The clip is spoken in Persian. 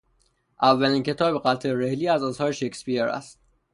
اولین کتاب قطع رحلی از آثار شکسپیر